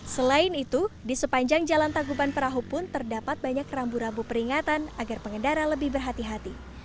selain itu di sepanjang jalan taguban perahu pun terdapat banyak rambu rambu peringatan agar pengendara lebih berhati hati